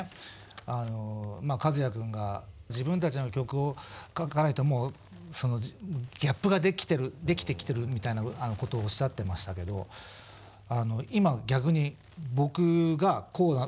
和也くんが自分たちの曲を書かないともうギャップができてきてるみたいなことをおっしゃってましたけど今逆に「お前何言ってんだよ！」